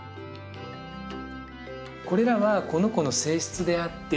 これらはこの子の性質であって。